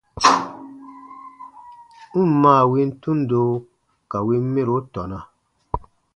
N ǹ maa win tundo ka win mɛro tɔna.